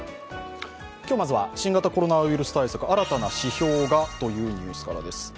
今日、まずは新型コロナウイルス対策、新たな指標がというニュースからです。